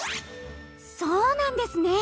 そうなんですね！